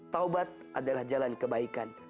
taubat adalah jalan kebaikan